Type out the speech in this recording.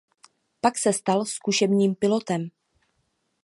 Pak se stal zkušebním pilotem.